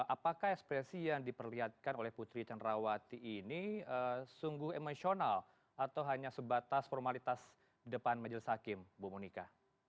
apakah ekspresi yang diperlihatkan oleh putri candrawati ini sungguh emosional atau hanya sebatas formalitas depan majelis hakim ibu munika